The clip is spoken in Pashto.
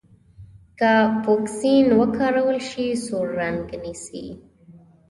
که فوکسین وکارول شي سور رنګ نیسي.